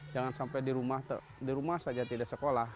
jangan sampai di rumah saja tidak sekolah